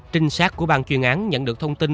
trinh sát của bàn chuyên án nhận được thông tin